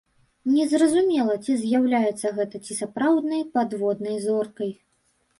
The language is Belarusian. Не зразумела, ці з'яўляецца гэта ці сапраўднай падвойнай зоркай.